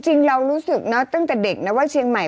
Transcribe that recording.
จริงเรารู้สึกเนอะตั้งแต่เด็กนะว่าเชียงใหม่